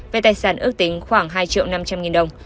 về tài sản ước tính khoảng hai triệu năm trăm linh nghìn đồng